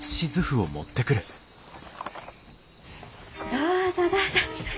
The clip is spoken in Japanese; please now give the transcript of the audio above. どうぞどうぞ。